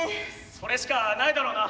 それしかないだろうな。